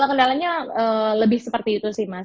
jadi kendala kendalanya lebih seperti itu sih mas